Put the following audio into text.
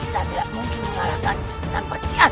kami tidak mungkin mengalahkannya tanpa siasat